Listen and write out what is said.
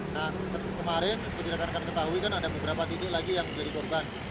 nah kemarin kejirahkan kan ketahui kan ada beberapa titik lagi yang menjadi korban